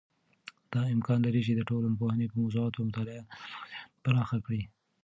دا امکان لري چې د ټولنپوهنې د موضوعاتو مطالعه زموږ ذهن پراخ کړي.